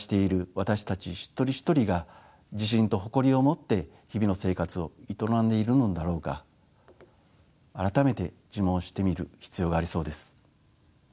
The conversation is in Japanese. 私たち一人一人が自信と誇りを持って日々の生活を営んでいるのだろうか改めて自問してみる必要がありそうです。